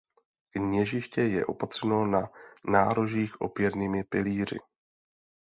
Kněžiště je opatřeno na nárožích opěrnými pilíři.